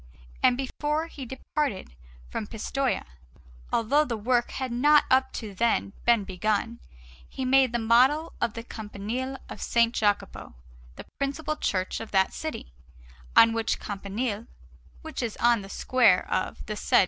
And before he departed from Pistoia, although the work had not up to then been begun, he made the model of the Campanile of S. Jacopo, the principal church of that city; on which campanile, which is on the square of the said S.